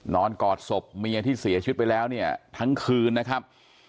กอดศพเมียที่เสียชีวิตไปแล้วเนี่ยทั้งคืนนะครับ